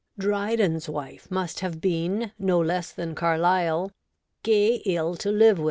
Dryden's wife must have been, no less than ■ Carlyle, ' gey ill to live wi'.'